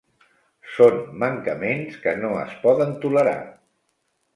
Són mancaments que no es poden tolerar.